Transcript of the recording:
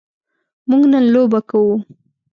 موږ نن لوبه کوو.